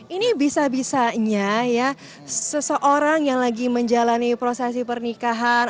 ini bisa bisanya ya seseorang yang lagi menjalani prosesi pernikahan